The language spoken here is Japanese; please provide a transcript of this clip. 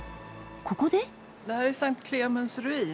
ここで？